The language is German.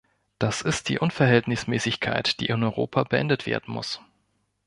Das ist die Unverhältnismäßigkeit, die in Europa beendet werden muss.